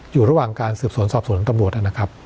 อยู่ระหว่างการสืบสนสอบสนกรรมบทนะครับ